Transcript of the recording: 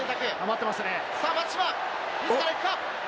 さぁ松島、自ら行くか？